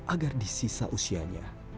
agar di sisa usianya